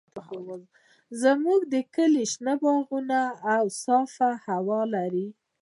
زموږ کلی شنه باغونه او صافه هوا لري.